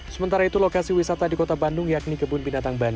sementara itu lokasi wisata di kota bandung yakni kebun binatang bandung